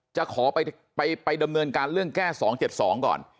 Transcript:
จะขอไปดำเนินการเรื่องแก้๒๗๒ก่อน